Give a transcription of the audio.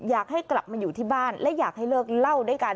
อยากให้กลับมาอยู่ที่บ้านและอยากให้เลิกเล่าด้วยกัน